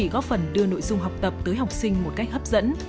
góp phần đưa nội dung học tập tới học sinh một cách hấp dẫn